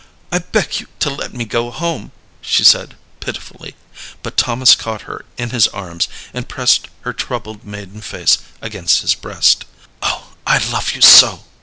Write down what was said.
"I beg you to let me go home," she said, pitifully; but Thomas caught her in his arms, and pressed her troubled maiden face against his breast. "Oh, I love you so!"